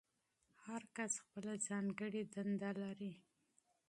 هر غړی خپله ځانګړې دنده لري.